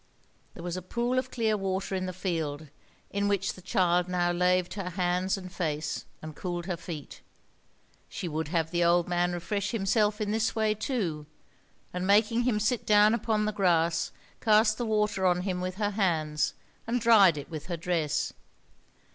There was a pool of clear water in the field, in which the child now laved her hands and face, and cooled her feet. She would have the old man refresh himself in this way too; and making him sit down upon the grass, cast the water on him with her hands, and dried it with her dress.